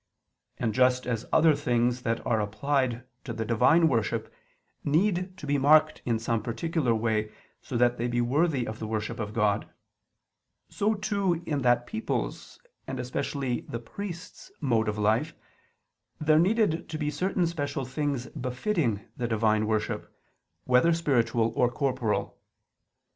And just as other things that are applied to the divine worship, need to be marked in some particular way so that they be worthy of the worship of God; so too in that people's, and especially the priests', mode of life, there needed to be certain special things befitting the divine worship, whether spiritual or corporal.